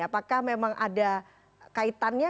apakah memang ada kaitannya